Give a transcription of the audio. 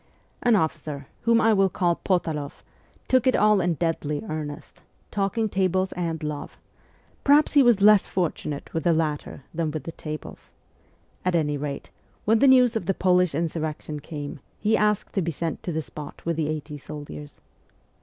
An officer, whom I will call Potaloff, took it all in deadly earnest talking tables and love. Perhaps he was less fortunate with the latter than with the tables ; at any rate, when the news of the Polish insurrection came he asked to be sent to the spot with the eighty soldiers.